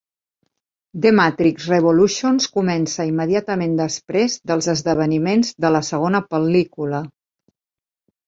"The Matrix Revolutions" comença immediatament després dels esdeveniments de la segona pel·lícula.